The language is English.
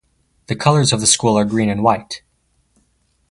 The colors of the school are green and white.